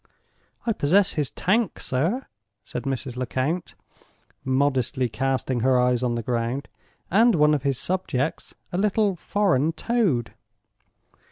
"I possess his Tank, sir," said Mrs. Lecount, modestly casting her eyes on the ground, "and one of his Subjects—a little foreign Toad."